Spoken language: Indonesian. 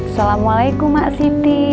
assalamualaikum mak siti